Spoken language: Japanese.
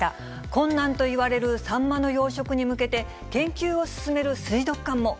困難といわれるサンマの養殖に向けて、研究を進める水族館も。